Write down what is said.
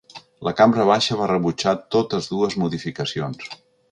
La cambra baixa va rebutjar totes dues modificacions.